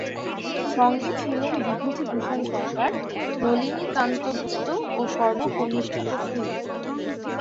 সংগে ছিলেন বিভূতিভূষণ সরকার, নলিনীকান্ত গুপ্ত ও সর্বকনিষ্ঠ প্রফুল্ল।